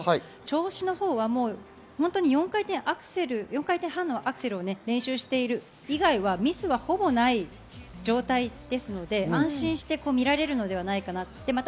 調子のほうは４回転アクセル、４回転半のアクセルを練習している以外はミスはほぼない状態ですので、安心して見られるのではないかなと。